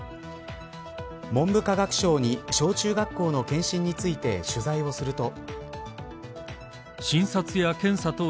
文部科学省に小中学校の健診について取材をすると。